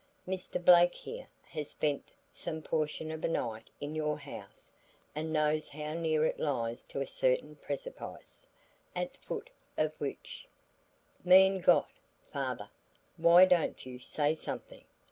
Mr. Blake here, has spent some portion of a night in your house and knows how near it lies to a certain precipice, at foot of which " "Mein Gott, father, why don't you say something!"